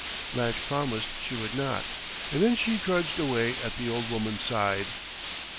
Blanche promised she would not, and then she trudged away at the old woman's side.